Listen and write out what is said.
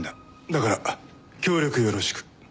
だから協力よろしく。